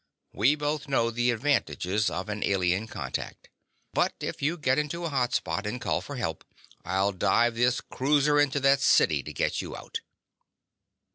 We both know the advantages of an alien contact. But if you get into a hot spot, and call for help, I'll dive this cruiser into that city to get you out!"